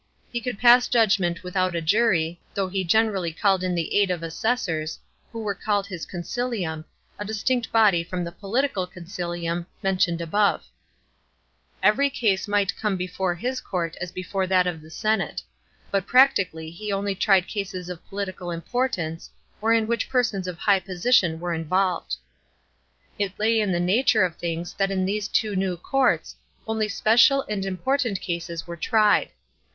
He could pass judgment with out a jury, though he generally called in the aid of assessors, who were called his consilium, a distinct body from the political consilium mentioned above (§ 3). Every case might come before his court as before that of the senate. But practically he only tried cases of political importance or in which persons of high position were involved. It lay in the nature of things that in these two new courts only special and important causes were tried.